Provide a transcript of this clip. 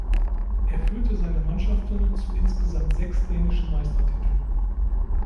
Er führte seine Mannschaften zu insgesamt sechs dänischen Meistertiteln.